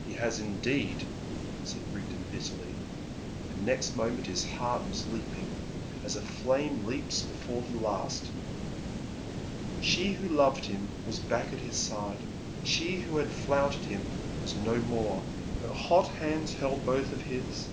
"He has indeed," said Rigden bitterly; and next moment his heart was leaping, as a flame leaps before the last. She who loved him was back at his side, she who had flouted him was no more. Her hot hands held both of his.